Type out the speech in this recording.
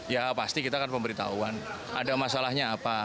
ya pasti kita akan pemberitahuan ada masalahnya apa